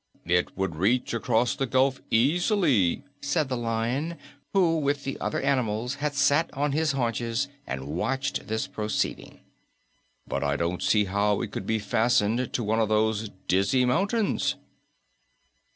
"It would reach across the gulf easily," said the Lion, who with the other animals had sat on his haunches and watched this proceeding. "But I don't see how it could be fastened to one of those dizzy mountains."